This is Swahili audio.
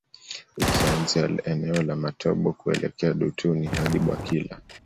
Ukianzia eneo la Matombo kuelekea Dutuni hadi Bwakila